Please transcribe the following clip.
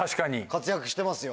活躍してますよ。